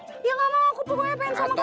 ya enggak aku pengen sama kamu